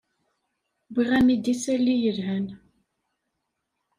Wwiɣ-am-d isalli yelhan.